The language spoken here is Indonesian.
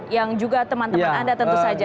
yang juga teman teman anda tentu saja